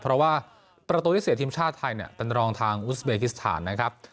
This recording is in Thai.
เพราะว่าประตูที่เสียทีมชาติไทยเนี่ยเป็นรองทางอุสเบกิสถานนะครับ